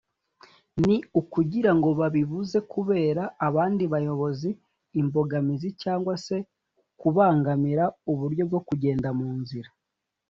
ni ukugirango babibuze kubera abandi bayobozi imbogamizi cg se kubangamira uburyo bwo kugenda munzira